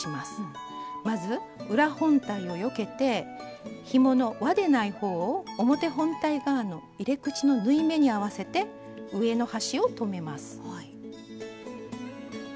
まず裏本体をよけてひものわでない方を表本体側の入れ口の縫い目に合わせて上の端を留めます。